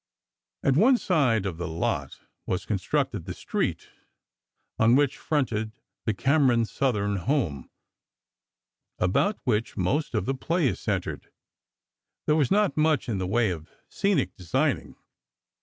At one side of the lot, was constructed the "street" on which fronted the Cameron Southern home, about which most of the play centered. There was not much in the way of scenic designing.